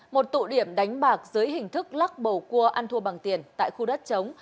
một tụ điểm đánh bạc dưới hình thức lắc bầu cua ăn thua bằng tiền tại khu đất chống